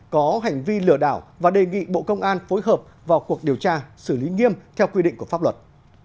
có hành vi lừa đảo và đề nghị bộ công an phối hợp vào cuộc điều tra xử lý nghiêm theo quy định của pháp luật